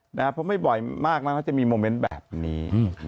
เพราะไม่บ่อยมากนะเขาจะมีโมเมนต์แบบนี้